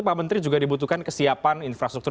pak menteri juga dibutuhkan kesiapan infrastruktur